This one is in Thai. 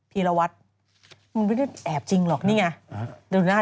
พีศวัสตร์มึงไม่ได้แอบจริงหรอกนี่ไง